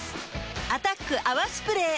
「アタック泡スプレー」